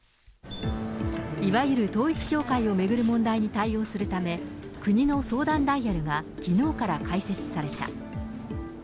いわゆる統一教会を巡る問題に対応するため、国の相談ダイヤルがきのうから開設された。